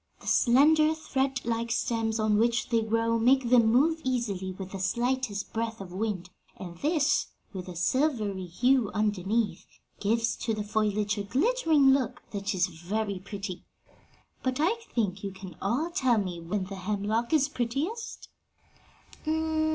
The slender, thread like stems on which they grow make them move easily with the slightest breath of wind, and this, with the silvery hue underneath, gives to the foliage a glittering look that is very pretty. But I think you all can tell me when the hemlock is prettiest?"